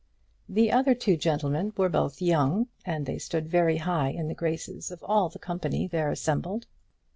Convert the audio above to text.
The other two gentlemen were both young, and they stood very high in the graces of all the company there assembled.